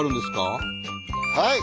はい！